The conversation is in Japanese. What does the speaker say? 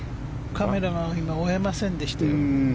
カメラが今追えませんでした。